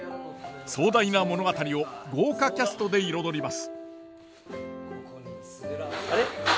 壮大な物語を豪華キャストで彩ります。